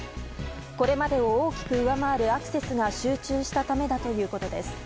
これまでを大きく上回るアクセスが集中したためだということです。